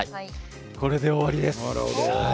これで終わりです。